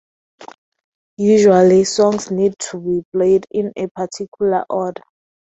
Usually, songs need to be played in a particular order.